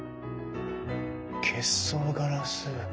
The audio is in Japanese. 結霜ガラス。